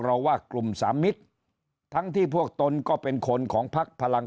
ว่ากลุ่มสามมิตรทั้งที่พวกตนก็เป็นคนของพักพลัง